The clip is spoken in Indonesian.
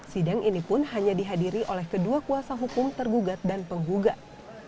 sidang ini pun hanya dihadiri oleh kedua kuasa hukum tergugat dan penggugat